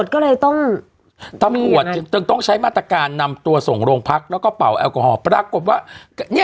ก็เลยต้องต้องใช้มาตรการนำตัวส่งโรงพักษณ์แล้วก็เป่าแอลกอฮอล์ปรากฏว่าเนี้ย